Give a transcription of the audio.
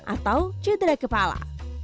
atau cedera kepala